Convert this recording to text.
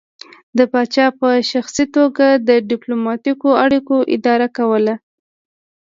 پاچا په شخصي توګه د ډیپلوماتیکو اړیکو اداره کوله